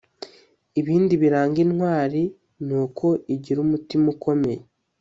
Ibindi biranga intwari ni uko igira umutima ukomeye